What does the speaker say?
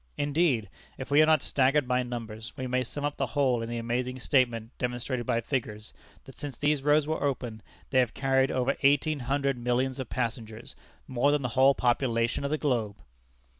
Indeed, if we are not staggered by numbers, we may sum up the whole in the amazing statement demonstrated by figures, that since these roads were opened, they have carried over eighteen hundred millions of passengers, more than the whole population of the globe!